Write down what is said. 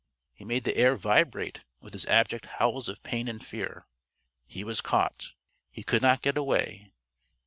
He made the air vibrate with his abject howls of pain and fear. He was caught. He could not get away.